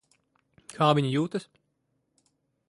Kā viņa jūtas?